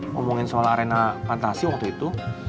ngomongin soal arena fantasi waktu itu